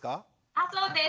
あそうです。